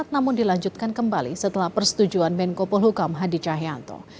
namun dilanjutkan kembali setelah persetujuan menko polhukam hadi cahyanto